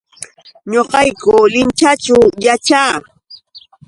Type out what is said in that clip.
Ñaqayku Linchaćhu yaćhaa.